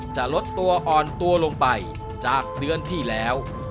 จะลดตัวอ่อนตัวลงไปจากเดือนที่แล้ว